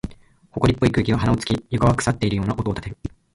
埃っぽい空気が鼻を突き、床は腐っているような音を立てる。